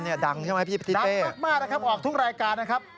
น้องแก้มดังใช่ไหมพี่พิธีเต้ดังมากนะครับออกทุกรายการนะครับ